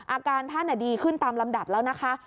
อาการท่านดีขึ้นตามลำดับแล้วนะคะ